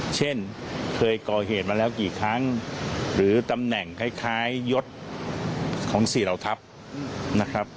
เช่นเคยก่อเหตุมาแล้วกี่ครั้งหรือตำแหน่งคล้ายยศของสี่เหล่าทัพนะครับ